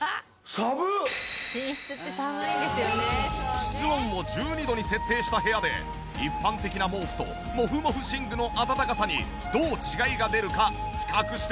室温を１２度に設定した部屋で一般的な毛布とモフモフ寝具の暖かさにどう違いが出るか比較してみた。